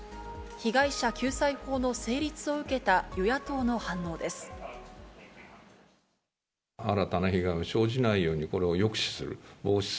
被害者救済法の成立を受けた与野党の反応です。